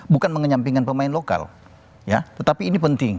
bukan mengenyampingkan pemain lokal tetapi ini penting